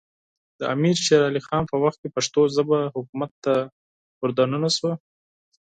د امیر شېر علي خان په وخت کې پښتو ژبه حکومت ته داخله سوه